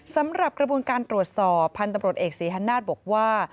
สำหรับกระบวงการตรวจสอบพันธบรตเอกสีฮาณาศบอกว่า